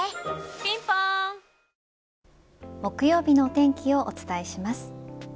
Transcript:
ピンポーン木曜日のお天気をお伝えします。